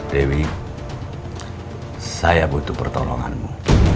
dewi saya butuh pertolonganmu